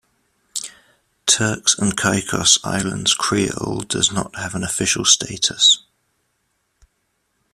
Turks and Caicos Islands Creole does not have an official status.